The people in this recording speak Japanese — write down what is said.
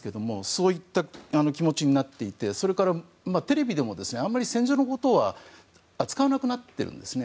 そういった気持ちになっていてそれから、テレビでもあまり戦場のことは扱わなくなってるんですね。